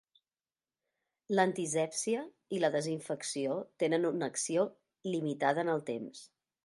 L'antisèpsia i la desinfecció tenen una acció limitada en el temps.